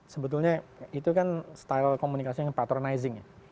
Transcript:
sebetulnya itu kan style komunikasi yang patronizing ya